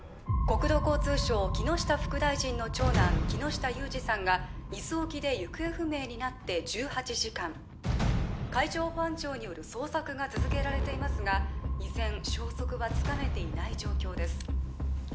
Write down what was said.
国土交通省木下副大臣の長男木下裕司さんが伊豆沖で行方不明になって１８時間海上保安庁による捜索が続けられていますが依然消息はつかめていない状況です